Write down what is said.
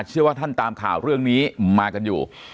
เชื่อว่าท่านตามข่าวเรื่องนี้มากันอยู่